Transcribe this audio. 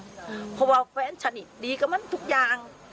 สาเหตุว่าขาวเพราะว่าแฟนฉันดีก็มันทุกอย่าง